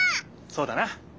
そうだな！